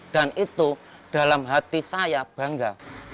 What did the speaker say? dan itu dalam hati saya bangga